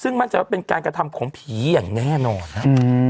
ซึ่งมั่นใจว่าเป็นการกระทำของผีอย่างแน่นอนฮะ